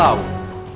asal kamu tau